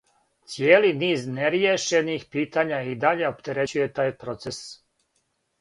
Цијели низ неријешених питања и даље оптерећује тај процес.